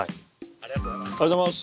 ありがとうございます。